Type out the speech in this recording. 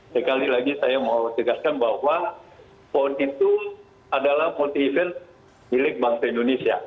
sekali lagi saya mau tegaskan bahwa pon itu adalah multi event milik bangsa indonesia